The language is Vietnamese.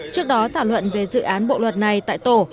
trước đó thảo luận về dự án bộ luật này tại tổ